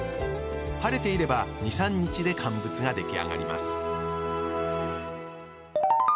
晴れていれば２３日で乾物が出来上がります